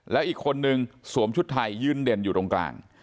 แล้วอีกคนนึงสวมชุดไทยยืนเด่นอยู่ตรงกลาง